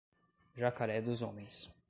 Jacaré dos Homens